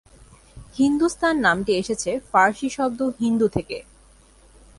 হিন্দুস্তান নামটি এসেছে ফার্সি শব্দ "হিন্দু" থেকে।